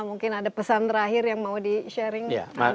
mungkin ada pesan terakhir yang mau di sharing